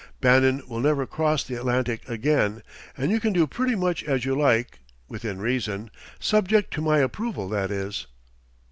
Bannon will never cross the Atlantic again, and you can do pretty much as you like, within reason subject to my approval, that is."